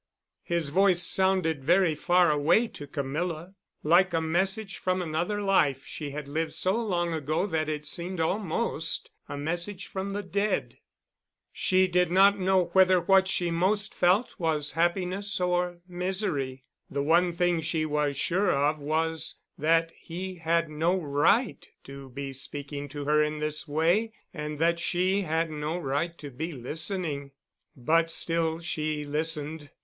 His voice sounded very far away to Camilla, like a message from another life she had lived so long ago that it seemed almost a message from the dead. She did not know whether what she most felt was happiness or misery. The one thing she was sure of was that he had no right to be speaking to her in this way and that she had no right to be listening. But still she listened.